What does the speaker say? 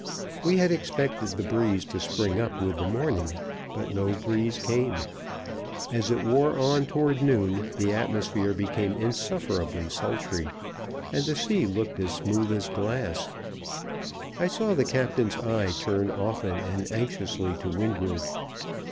We had expected the breeze to spring up with the morning, but no breeze came. As it wore on toward noon the atmosphere became insufferably sultry, and the sea looked as smooth as glass. I saw the captain's eye turn often and anxiously to windward.